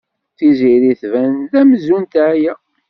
Tiziri tban-d amzun teɛya.